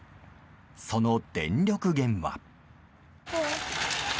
その電力源は。